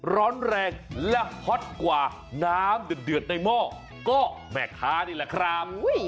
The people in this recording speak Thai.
ร้อนแรงและฮอตกว่าน้ำเดือดในหม้อก็แม่ค้านี่แหละครับ